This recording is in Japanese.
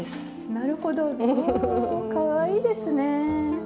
なるほど！おかわいいですね！